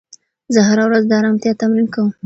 زه هره ورځ د ارامتیا تمرین کوم.